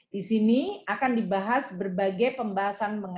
di sini akan dibahas berbagai proses